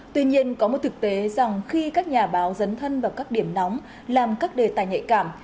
tuy nhiên có một thực tế rằng khi các nhà báo dấn thân vào các điểm nóng làm các đề tài nhạy cảm